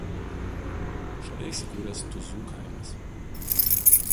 Šalia įsikūręs Tuzų kaimas.